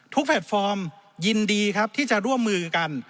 แพลตฟอร์มยินดีครับที่จะร่วมมือกัน